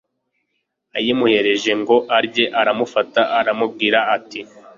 ayimuhereje ngo arye aramufata aramubwira ati